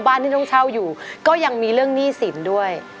บ้านที่ต้องเช่าอยู่ก็ยังมีเรื่องหนี้สินด้วย